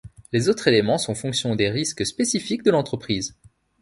Les autres éléments sont fonction des risques spécifiques de l'entreprise.